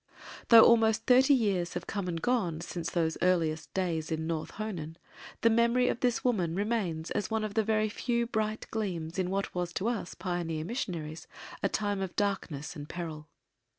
Though almost thirty years have come and gone since those earliest days in North Honan the memory of this woman remains as one of the very few bright gleams in what was to us pioneer missionaries a time of darkness and peril.